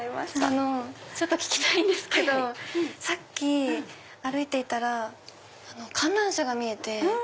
ちょっと聞きたいんですけどさっき歩いていたら観覧車が見えて。